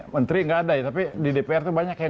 menteri nggak ada ya tapi di dpr itu banyak yang